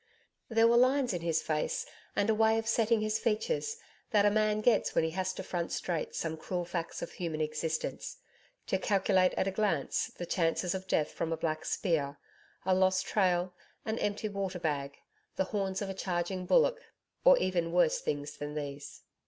There were lines in his face and a way of setting his features that a man gets when he has to front straight some cruel facts of human existance to calculate at a glance the chances of death from a black's spear, a lost trail, an empty water bag, the horns of a charging bullock or even worse things than these.